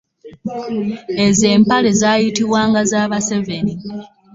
Ezo empale zayitibwanga z'abaseveni.